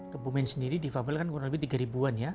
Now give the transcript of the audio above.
kebumen sendiri difabel kan kurang lebih tiga ribuan ya